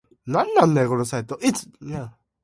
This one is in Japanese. なんなんだよこのサイト